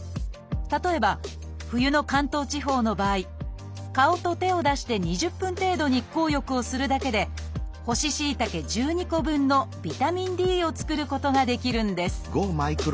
例えば冬の関東地方の場合顔と手を出して２０分程度日光浴をするだけで干ししいたけ１２個分のビタミンＤを作ることができるんです